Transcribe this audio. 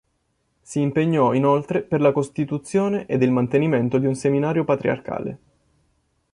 Si impegnò inoltre per la costituzione ed il mantenimento di un seminario patriarcale.